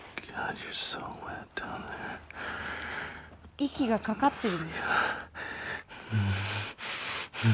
息がかかってるもん。